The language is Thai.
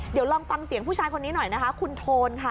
เดี๋ยวลองฟังเสียงผู้ชายคนนี้หน่อยนะคะคุณโทนค่ะ